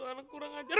anak kurang ajar